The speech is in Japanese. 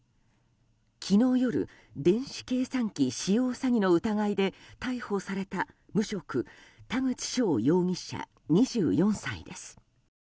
昨日夜、電子計算機使用詐欺の疑いで逮捕された無職・田口翔容疑者２４歳です。